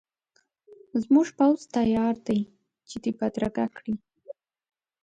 زموږ پوځ تیار دی چې دی بدرګه کړي.